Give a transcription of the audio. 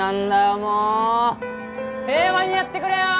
もう平和にやってくれよ！